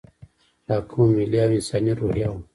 دا کومه ملي او انساني روحیه وه.